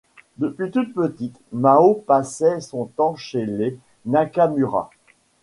Depuis toute petite, Mao passait son temps chez les Nakamura.